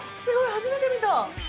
初めて見た。